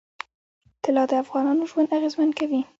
طلا د افغانانو ژوند اغېزمن کوي.